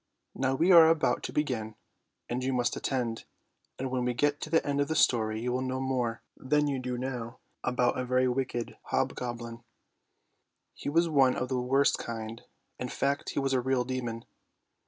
Now we are about to begin, and you must attend ; and when we get to the end of the story, you will know more than you do now about a very wicked hobgoblin. He was one of the worst kind; in fact he was a real demon.